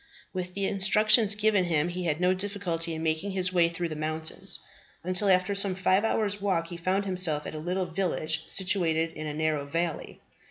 With the instructions given him he had no difficulty in making his way through the mountains, until after some five hours' walk he found himself at a little village situated in a narrow valley.